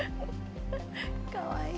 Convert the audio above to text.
かわいい。